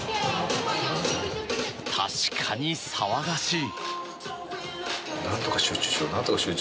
確かに騒がしい。